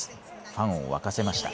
ファンを沸かせました。